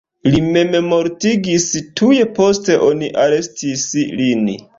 Li memmortigis tuj post oni arestis lin.